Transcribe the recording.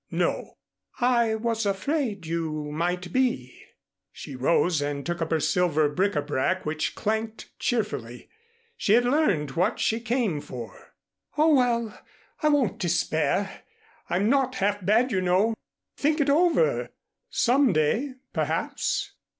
"No." "I was afraid you might be." She rose and took up her silver bric a brac which clanked cheerfully. She had learned what she came for. "Oh, well, I won't despair. I'm not half bad, you know. Think it over. Some day, perhaps."